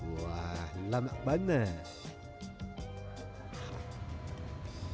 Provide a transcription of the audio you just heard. wah enak banget